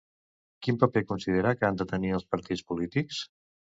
Quin paper considera que han de tenir els partits polítics?